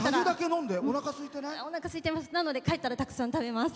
帰ったらたくさん食べます。